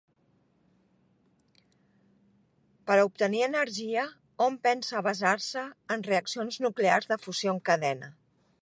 Per a obtenir energia hom pensa a basar-se en reaccions nuclears de fusió en cadena.